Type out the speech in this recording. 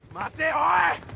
おい！